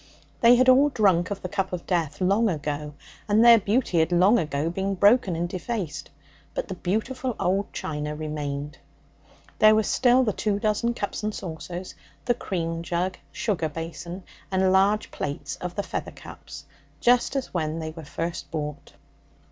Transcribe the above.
They had all drunk of the cup of death long ago, and their beauty had long ago been broken and defaced; but the beautiful old china remained. There were still the two dozen cups and saucers, the cream jug, sugar basin and large plates of the feather cups, just as when they were first bought.